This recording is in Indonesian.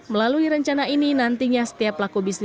melalui rencana ini nantinya setiap laku bisnisnya